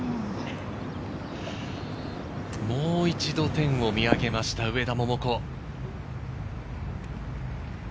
もう一度、天を見上げました、上田桃子。